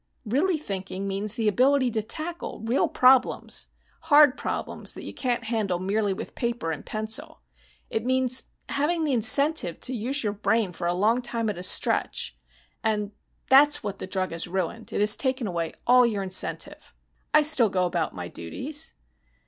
Real thinking means the ability to tackle real problems hard problems that you can't handle merely with paper and pencil. It means having the incentive to use your brain for a long time at a stretch. And that's what the drug has ruined. It has taken away all your incentive." "I still go about my duties."